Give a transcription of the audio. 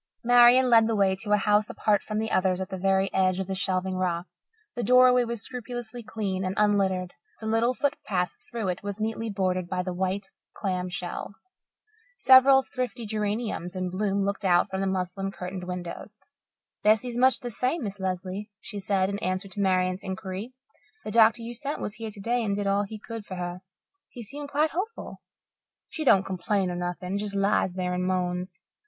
Marian led the way to a house apart from the others at the very edge of the shelving rock. The dooryard was scrupulously clean and unlittered; the little footpath through it was neatly bordered by white clam shells; several thrifty geraniums in bloom looked out from the muslin curtained windows. A weary faced woman came forward to meet them. "Bessie's much the same, Miss Lesley," she said, in answer to Marian's inquiry. "The doctor you sent was here today and did all he could for her. He seemed quite hopeful. She don't complain or nothing just lies there and moans.